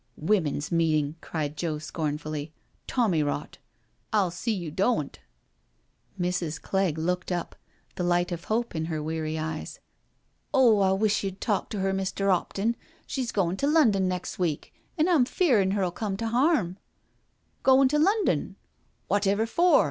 "Women's meeting I " cried Joe scornfully. "Tommy rot I y\l see you do^'tt" 64 NO SURRENDER Mrs. Clegg looked up, the light of hope in her weary eyes. " Oh, I wish you*d talk to her, Mr. *Opton, her's goin' to London nex' week, an* I'm' feerin' her*ll come to harm.*' "Goin* to London I Wotever for?"